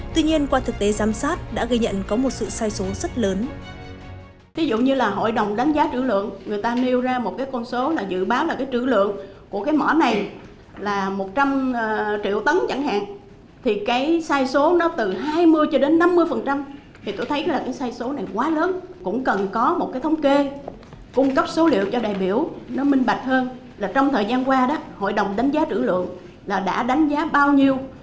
tuy nhiên qua thực tế giám sát đã gây nhận có một sự sai số rất lớn